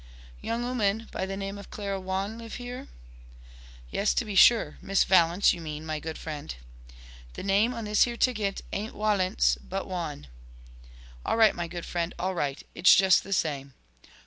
"Young 'ooman by the name of Clara Waun live here?" "Yes to be sure; Miss Valence you mean, my good friend." "The name on this here ticket ain't Walence, but Waun." "All right, my good friend. All right. It's just the same."